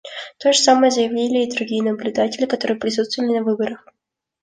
То же самое заявили и другие наблюдатели, которые присутствовали на выборах.